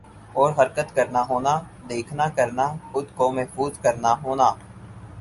اور حرکت کرنا ہونا دیکھنا کرنا خود کو محظوظ کرنا ہونا